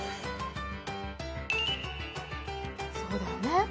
そうだよね